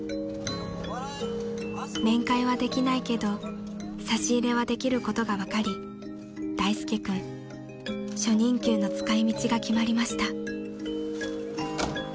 ［面会はできないけど差し入れはできることが分かり大介君初任給の使い道が決まりました］